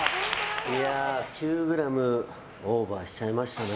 いやあ９ｇオーバーしちゃいましたね。